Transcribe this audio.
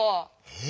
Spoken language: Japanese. え！